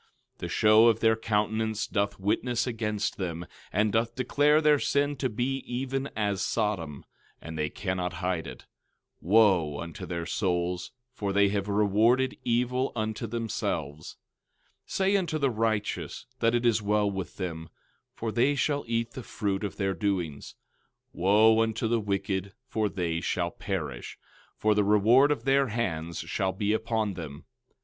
13:9 The show of their countenance doth witness against them, and doth declare their sin to be even as Sodom, and they cannot hide it. Wo unto their souls, for they have rewarded evil unto themselves! 13:10 Say unto the righteous that it is well with them; for they shall eat the fruit of their doings. 13:11 Wo unto the wicked, for they shall perish; for the reward of their hands shall be upon them!